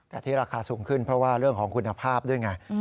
แต่ที่ราคาสูงขึ้นเพราะว่าเรื่องของคุณภาพด้วยไง